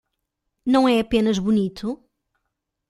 Não é apenas bonito?